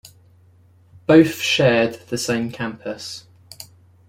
Both shared the same campus.